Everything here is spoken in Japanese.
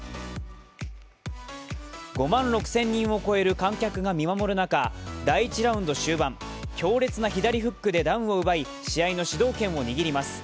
５万６０００人を超える観客が見守る中第１ラウンド終盤強烈な左フックでダウンを奪い試合の主導権を握ります。